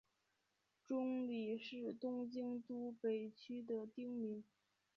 中里是东京都北区的町名。